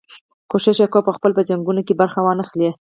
کوښښ یې کاوه پخپله په جنګونو کې برخه وانه خلي.